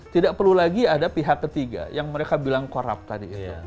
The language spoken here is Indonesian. tidak perlu lagi ada pihak ketiga yang mereka bilang korup tadi itu